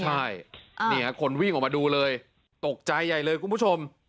ใช่นี่ฮะคนวิ่งออกมาดูเลยตกใจใหญ่เลยคุณผู้ชม